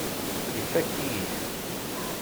Ifakk-iyi-t.